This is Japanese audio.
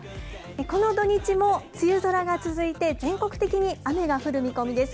この土日も梅雨空が続いて、全国的に雨が降る見込みです。